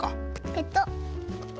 ペトッ。